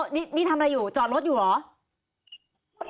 นี่ทำอะไรอยู่จอดรถอยู่เหรอ